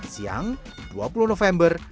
siang dua puluh november